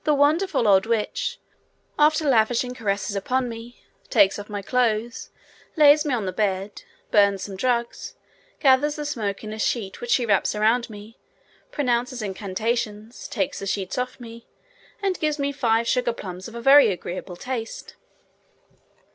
The wonderful old witch, after lavishing caresses upon me, takes off my clothes, lays me on the bed, burns some drugs, gathers the smoke in a sheet which she wraps around me, pronounces incantations, takes the sheet off me, and gives me five sugar plums of a very agreeable taste.